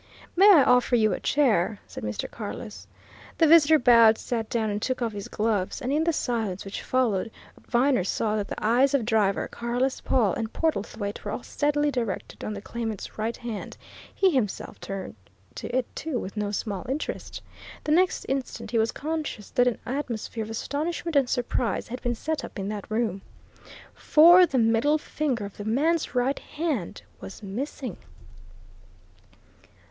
"May I offer you a chair?" said Mr. Carless. The visitor bowed, sat down, and took off his gloves. And in the silence which followed, Viner saw that the eyes of Driver, Carless, Pawle and Portlethwaite were all steadily directed on the claimant's right hand he himself turned to it, too, with no small interest. The next instant he was conscious that an atmosphere of astonishment and surprise had been set up in that room. For the middle finger of the man's right hand was missing!